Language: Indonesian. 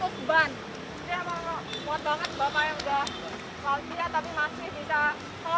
ini emang muat banget bapak yang sudah waldia tapi masih bisa